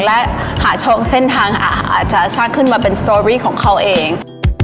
และหาช่องเส้นทางอาจจะสร้างขึ้นมาเป็นสตอรี่ของเขาเอง